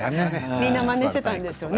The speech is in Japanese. みんなまねしていますよね